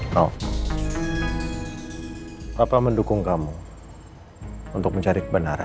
ma papa mendukung kamu untuk mencari kebenaran